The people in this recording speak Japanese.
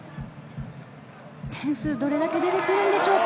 点数どれだけでてくるのでしょうか。